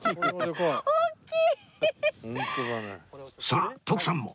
さあ徳さんも。